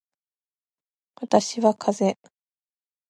私はかぜ